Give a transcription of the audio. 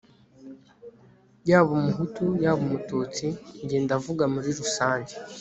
yaba umuhutu yaba umututsi, njye ndavuga muri rusange..